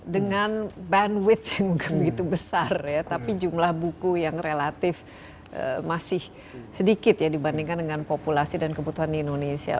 dengan bandwidth yang bukan begitu besar ya tapi jumlah buku yang relatif masih sedikit ya dibandingkan dengan populasi dan kebutuhan di indonesia